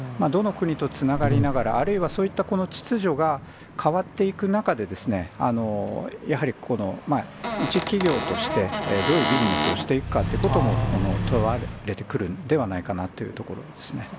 どの国とつながりながら、あるいはそういったこの秩序が変わっていく中で、やはり一企業として、どういうビジネスをしていくかということも問われてくるんではないかなというところですね。